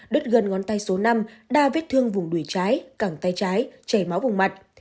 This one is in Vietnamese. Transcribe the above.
đứt gần ngón tay số năm đa vết thương vùng đùi trái cẳng tay trái chảy máu vùng mặt